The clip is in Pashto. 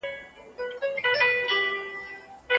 شاګردانو ته باید د اړتیا پر مهال ښې مشورې ورکړل سي.